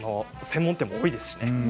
専門店も多いですしね。